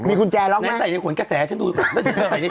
มีกุญแจรักไหมและใส่ในขนกระแสชันมอง